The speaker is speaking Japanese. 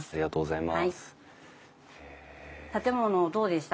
建物どうでした？